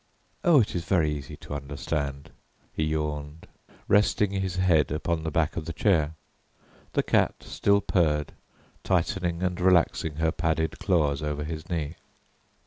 Oh, it is very easy to understand," he yawned, resting his head on the back of the chair. The cat still purred, tightening and relaxing her padded claws over his knee.